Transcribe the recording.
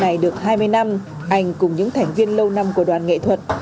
này được hai mươi năm anh cùng những thành viên lâu năm của đoàn nghệ thuật